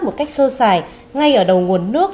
một cách sơ xài ngay ở đầu nguồn nước